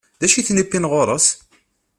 D acu i tent-iwwin ɣur-s?